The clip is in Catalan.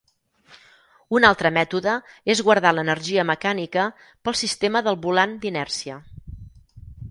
Un altre mètode és guardar l'energia mecànica pel sistema del volant d'inèrcia.